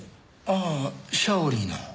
ああシャオリーの？